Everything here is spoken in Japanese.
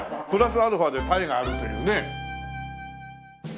プラスアルファで鯛があるというね。